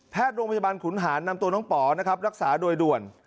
โรงพยาบาลขุนหารนำตัวน้องป๋อนะครับรักษาโดยด่วน